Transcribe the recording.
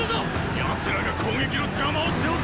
奴らが攻撃の邪魔をしておる！